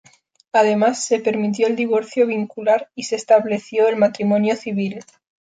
Además, se permitió el divorcio vincular y se estableció el matrimonio civil.